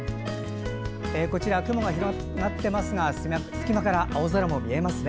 こちらは雲が広がっていますが隙間から青空も見えますね。